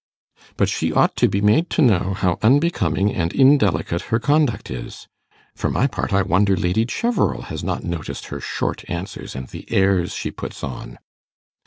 'But she ought to be made to know how unbecoming and indelicate her conduct is. For my part, I wonder Lady Cheverel has not noticed her short answers and the airs she puts on.